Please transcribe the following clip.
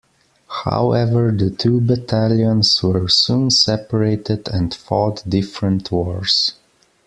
However the two battalions were soon separated and fought different wars.